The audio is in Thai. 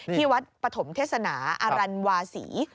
ที่วัดปฐมเทศนาอรันวาศี